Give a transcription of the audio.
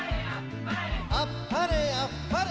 あっぱれあっぱれ！